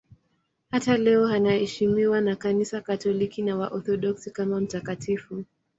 Hata leo anaheshimiwa na Kanisa Katoliki na Waorthodoksi kama mtakatifu.